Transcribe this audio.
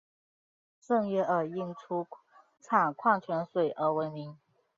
圣约尔因出产矿泉水而闻名。